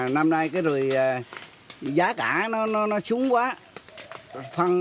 năm nay cái rồi giá cả nó xuống quá